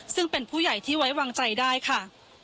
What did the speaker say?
ซึ่งเป็นผู้ใหญ่ที่ไว้วางใจได้ค่ะ